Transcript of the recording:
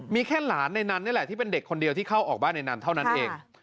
มีแค่หลานในนั้นนี่แหละที่เป็นเด็กคนเดียวที่เข้าออกบ้านในนั้นเท่านั้นเอง